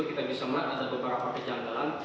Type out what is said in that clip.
kita bisa melihat ada beberapa kejanggalan